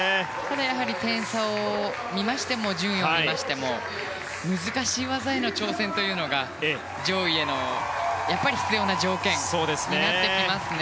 やはり点差を見ましても順位を見ましても難しい技への挑戦というのが上位への必要な条件になってきますね。